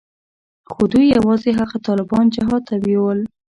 خو دوى يوازې هغه طالبان جهاد ته بيول.